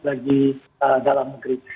bagi dalam negeri